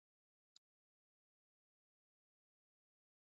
زردالو د افغان ماشومانو د زده کړې موضوع ده.